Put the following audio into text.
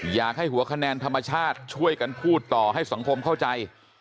อยากให้หัวคะแนนธรรมชาติช่วยกันพูดต่อให้สังคมเข้าใจ